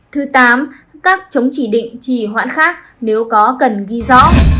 thứ tám các chống chỉ định chỉ hoãn khác nếu có cần ghi rõ